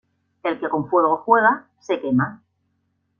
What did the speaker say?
El que con fuego juega, se quema